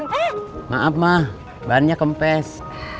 hmm maaf mah bahannya kempes